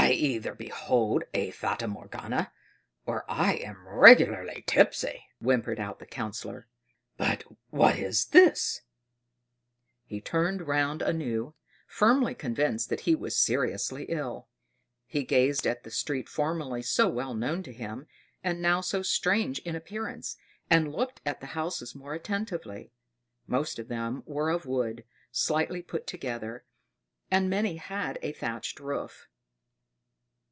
"I either behold a fata morgana, or I am regularly tipsy," whimpered out the Councillor. "But what's this?" He turned round anew, firmly convinced that he was seriously ill. He gazed at the street formerly so well known to him, and now so strange in appearance, and looked at the houses more attentively: most of them were of wood, slightly put together; and many had a thatched roof.